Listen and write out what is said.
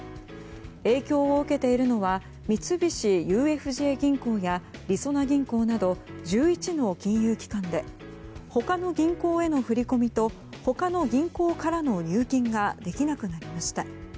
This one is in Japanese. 影響を受けているのは三菱ＵＦＪ銀行やりそな銀行など１１の金融機関で他の銀行への振り込みと他の銀行からの入金ができなくなりました。